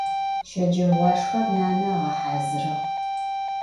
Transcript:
Şeceğuaşşxer nane ığehazırığ.